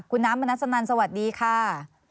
คุณน้ำมนัสนันสวัสดีค่ะ